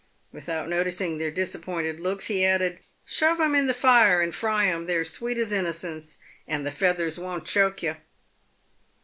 Without noticing their disappointed looks, he added, " Shove 'em in the fire and fry 'em. They're sweet as innocence, and the feathers won't choke yer."